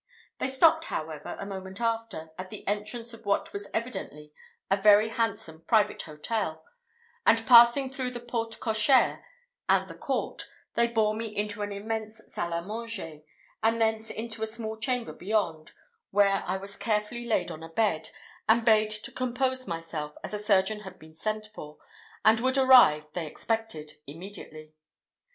They stopped, however, a moment after, at the entrance of what was evidently a very handsome private hotel, and passing through the porte cochère and the court, they bore me into an immense salle à manger, and thence into a small chamber beyond, where I was carefully laid on a bed, and bade to compose myself, as a surgeon had been sent for, and would arrive, they expected, immediately.